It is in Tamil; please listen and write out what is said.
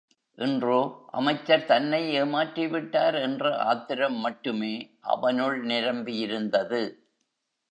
இன்றோ அமைச்சர் தன்னை ஏமாற்றிவிட்டார் என்ற ஆத்திரம் மட்டுமே அவனுள் நிரம்பியிருந்தது.